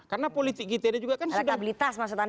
karena politik kita ini juga kan sudah